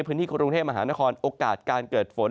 พื้นที่กรุงเทพมหานครโอกาสการเกิดฝน